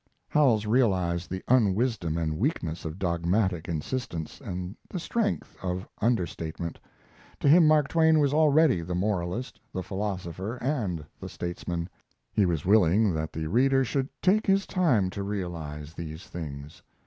Howells realized the unwisdom and weakness of dogmatic insistence, and the strength of understatement. To him Mark Twain was already the moralist, the philosopher, and the statesman; he was willing that the reader should take his time to realize these things.